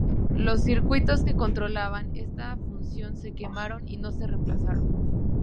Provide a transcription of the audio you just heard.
Los circuitos que controlaban esta función se quemaron y no se reemplazaron.